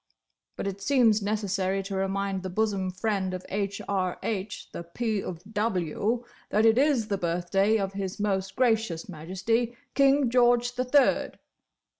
"But it seems necessary to remind the bosom friend of H.R.H. the P. of W. that it is the birthday of His Most Gracious Majesty King George the Third!